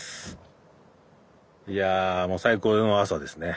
いや最高の朝ですね